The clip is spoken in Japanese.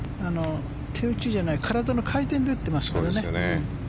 手打ちじゃない体の回転で打ってますからね。